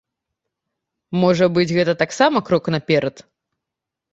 Можа быць, гэта таксама крок наперад?